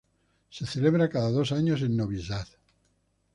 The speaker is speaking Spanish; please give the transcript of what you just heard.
Se celebra cada dos años en Novi Sad.